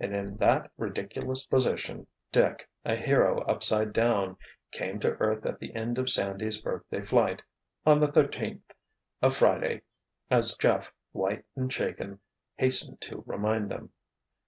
And in that ridiculous position Dick, a hero upside down, came to earth at the end of Sandy's birthday flight—on the thirteenth, a Friday, as Jeff, white and shaken, hastened to remind them.